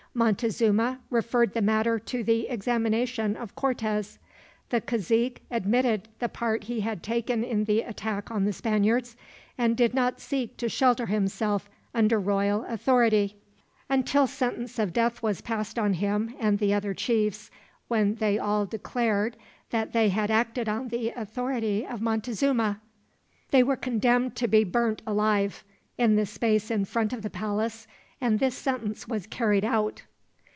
Montezuma referred the matter to the examination of Cortez. The cazique admitted the part he had taken in the attack on the Spaniards, and did not seek to shelter himself under royal authority; until sentence of death was passed on him and the other chiefs, when they all declared that they had acted on the authority of Montezuma. They were condemned to be burnt alive, in the space in front of the palace, and this sentence was carried out.